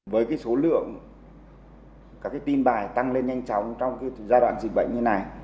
với số lượng các tin bài tăng lên nhanh chóng trong giai đoạn dịch bệnh như này